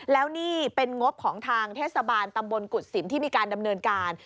แล้วนี่เป็นงบของทางเทศบาลตำบลกุศิลปที่มีการดำเนินการ